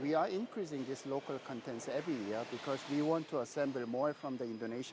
karena kami ingin menggabungkan lebih dari pengeluaran dari indonesia